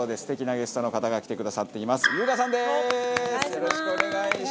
よろしくお願いします！